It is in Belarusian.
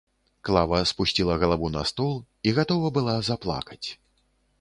Клава спусціла галаву на стол і гатова была заплакаць.